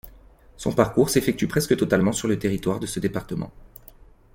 Son parcours s'effectue presque totalement sur le territoire de ce département.